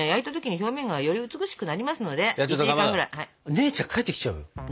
姉ちゃん帰ってきちゃうよ。